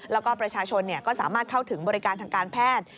แล้วก็ประชาชนก็สามารถเข้าถึงบริการทางการแพทย์